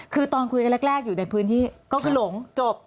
คือตอนคุยกันแรกอยู่ในพื้นที่ก็คือหลงจบ